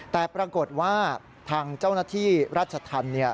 แต่ปรากฏว่าทางเจ้าหน้าที่ราชธรรม